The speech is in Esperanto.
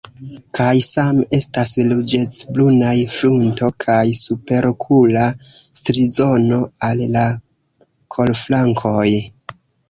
Kaj same estas ruĝecbrunaj frunto kaj superokula strizono al la kolflankoj.